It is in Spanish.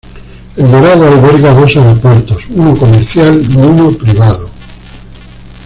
El Dorado alberga dos aeropuertos, uno comercial y uno privado.